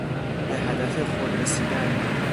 به هدف خود رسیدن